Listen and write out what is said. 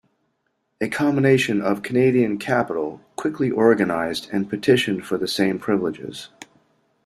A combination of Canadian capital quickly organized and petitioned for the same privileges.